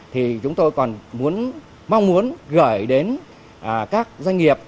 thì chúng tôi còn mong muốn gửi đến các doanh nghiệp